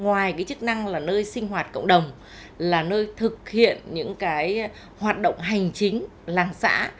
ngoài cái chức năng là nơi sinh hoạt cộng đồng là nơi thực hiện những cái hoạt động hành chính làng xã